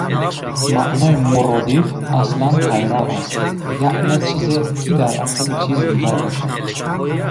Маънои муродиф аслан пайрав аст, яъне чизе, ки дар ақиби чизи дигар бошад.